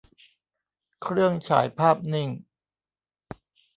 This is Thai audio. เครื่องฉายภาพนิ่ง